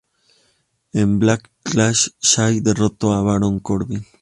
En Backlash, Zayn derrotó a Baron Corbin.